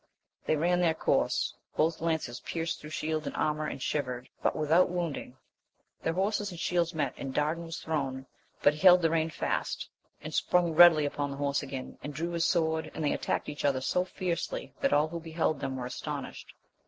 They ran their course, both lances pierced through shield and armour and shivered, but without wound ing ; their horses and shields met, and Dardan was thrown, but he held tTie lem. is>&\», «icA ^y^^'^'^'^^^^^^ 'AMADIS OF GAUL. 89 upon the horse again, and drew his sword, and they attacked each other so fiercely that all who beheld them were astonished.